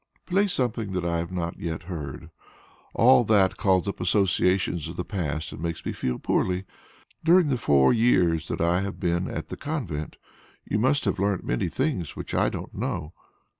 "Play something that I have not yet heard; all that calls up associations of the past makes me feel poorly. During the four years that I have been at the convent you must have learnt many things which I don't know.